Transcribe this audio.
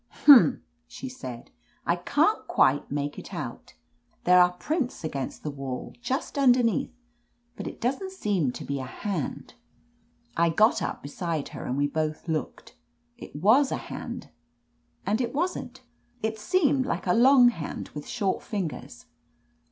"Humph !" she said. "I can't quite make it 'out There are prints against the wall just underneath, but it doesn't seem to be a hand." I got up beside her and we both looked. It was a hand, and it wasn't. It seemed like a long hand with short fingers.